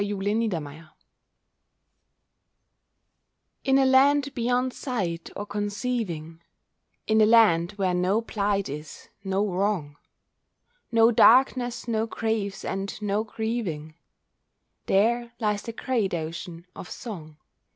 THE OCEAN OF SONG In a land beyond sight or conceiving, In a land where no blight is, no wrong, No darkness, no graves, and no grieving, There lies the great ocean of song.